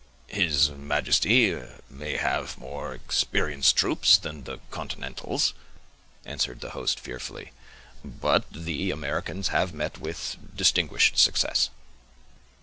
"His majesty may have more experienced troops than the continentals," answered the host fearfully, "but the Americans have met with distinguished success."